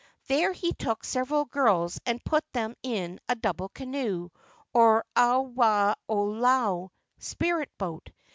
There he took several girls and put them in a double canoe, or au waa olalua (spirit boat).